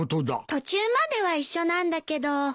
途中までは一緒なんだけど。